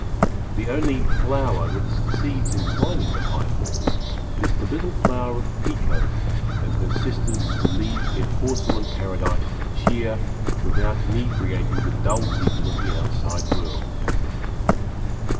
The only Flower that succeeds in climbing the high wall is the little flower of Pekoe and her sisters who leave their Porcelain Paradise to cheer without inebriating the dull people of the outside world.